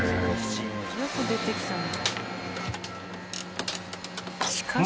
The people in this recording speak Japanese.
よく出てきたね。